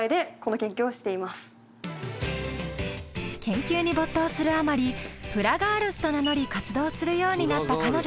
研究に没頭するあまり「プラガールズ」と名乗り活動するようになった彼女たち。